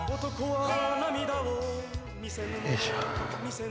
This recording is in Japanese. よいしょ。